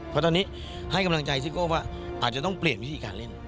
เพราะตอนนี้ให้กำลังใจซิโก้ว่าอาจจะต้องเปลี่ยนวิธีการเล่น